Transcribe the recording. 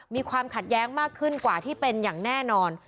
มีความขัดแย้งมากขึ้นกว่าที่เป็นอย่างแน่นอน